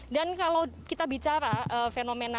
dan kalau kita bicara fenomena super blood moon